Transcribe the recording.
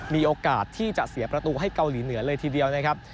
มีโอกาสที่จะเสียประตูให้เกาหลีเหนือเลยทีเดียวนะครับ